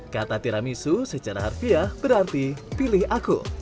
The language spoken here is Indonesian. kata tiramisu secara harfiah berarti pilih aku